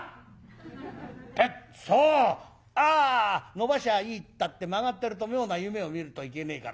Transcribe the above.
伸ばしゃいいったって曲がってると妙な夢を見るといけねえから。